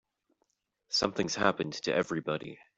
Something's happened to everybody.